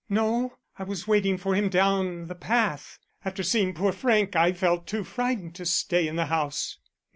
"No, I was waiting for him down the path. After seeing poor Frank I felt too frightened to stay in the house.